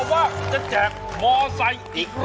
หมายความว่าจะแจกมอไซค์อีก๑๐๐คัน